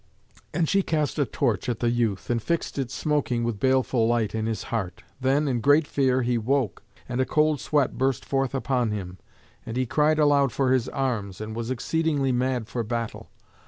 And she cast a torch at the youth, and fixed it smoking with baleful light in his heart. Then, in great fear, he woke, and a cold sweat burst forth upon him, and he cried aloud for his arms, and was exceedingly mad for battle.